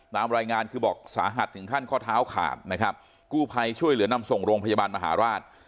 ตามรายงานคือบอกสาหัสถึงขั้นข้อเท้าขาดนะครับกู้ภัยช่วยเหลือนำส่งโรงพยาบาลมหาราช